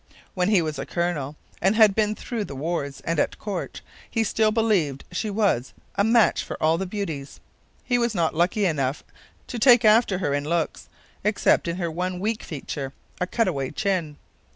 When he was a colonel, and had been through the wars and at court, he still believed she was 'a match for all the beauties.' He was not lucky enough to take after her in looks, except in her one weak feature, a cutaway chin.